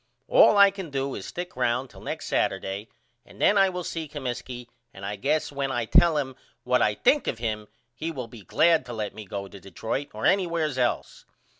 All I can do is stick round till next Saturday and then I will see Comiskey and I guess when I tell him what I think of him he will be glad to let me go to Detroit or anywheres else.